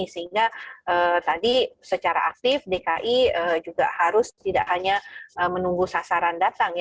sehingga tadi secara aktif dki juga harus tidak hanya menunggu sasaran datang